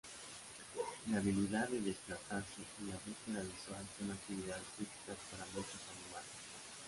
La habilidad de desplazarse y la búsqueda visual son actividades críticas para muchos animales.